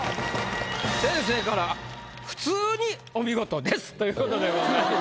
先生から「フツーにお見事です」ということでございます。